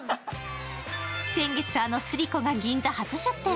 先月、あのスリコが銀座発出店。